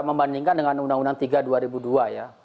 membandingkan dengan undang undang tiga dua ribu dua ya